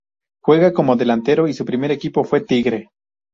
Juega como delantero y su primer equipo fue Tigre.